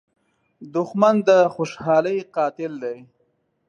دښمن د خوشحالۍ قاتل دی